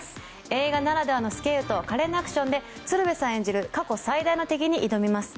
映画ならではのスケールと華麗なアクションで鶴瓶さん演じる過去最大の敵に挑みます。